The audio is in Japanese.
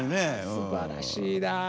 すばらしいな。